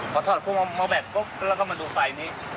พอถอดคุมมอร์แบตปุ๊บแล้วก็มาดูไฟนี้